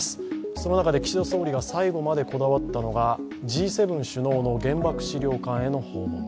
その中で岸田総理が最後までこだわったのが、Ｇ７首脳の原爆資料館への訪問。